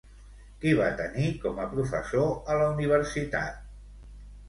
Qui va tenir com a professor a la universitat?